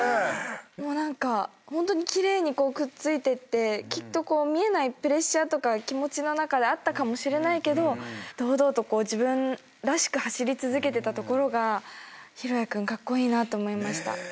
もう何かホントに奇麗にこうくっついてってきっと見えないプレッシャーとか気持ちの中であったかもしれないけど堂々と自分らしく走り続けてたところが大也君カッコイイなって思いました。